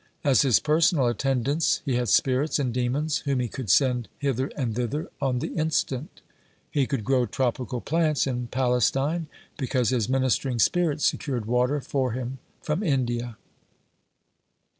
(48) As his personal attendants he had spirits and demons whom he could send hither and thither on the instant. He could grow tropical plants in Palestine, because his ministering spirits secured water for him from India.